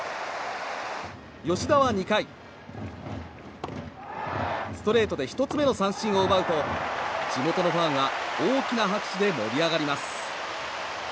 吉田は２回、ストレートで１つ目の三振を奪うと地元のファンは大きな拍手で盛り上がります。